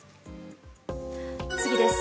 次です。